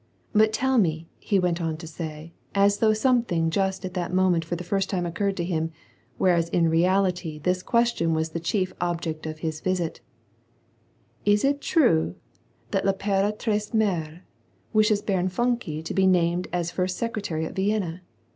''But tell me/' he went on to say, as though something just at that moment for the first time occurred to him, whereas in reality this question was the chief object of his visit, " is it true that V Invperatrice Mh'e wishes Baron Funke to be named as first secretary at Vienna?